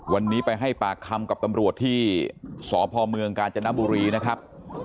วันนี้ไปให้ปากคำกับตำรวจที่สพเมืองกาญจนบุรีนะครับ